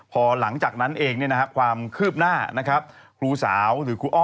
พอหลังจากนั้นเองความคืบหน้านะครับครูสาวหรือครูอ้อ